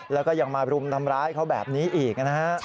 แล้วก็ยังมารุมทำร้ายเขาแบบนี้อีกนะฮะ